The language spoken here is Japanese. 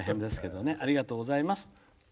ありがとうございます。